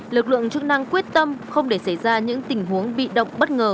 lực lượng chức năng quyết tâm không để xảy ra những tình huống bị động bất ngờ